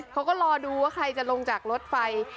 เขาก็รอดูว่าใครจะลงจากรถไฟ